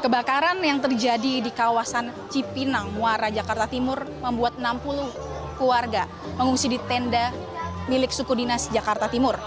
kebakaran yang terjadi di kawasan cipinang muara jakarta timur membuat enam puluh keluarga mengungsi di tenda milik suku dinas jakarta timur